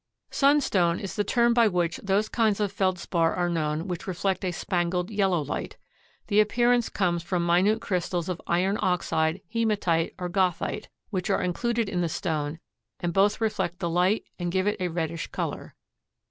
Sunstone is the term by which those kinds of Feldspar are known which reflect a spangled yellow light. The appearance comes from minute crystals of iron oxide, hematite or gothite, which are included in the stone and both reflect the light and give it a reddish color.